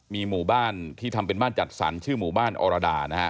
มีหมู่บ้านที่ทำเป็นบ้านจัดสรรชื่อหมู่บ้านอรดานะฮะ